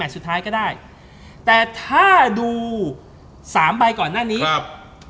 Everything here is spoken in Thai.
สุดท้ายก็ได้แต่ถ้าดูสามใบก่อนหน้านี้ครับ